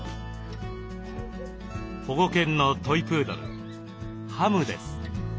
保護犬のトイ・プードル「ハム」です。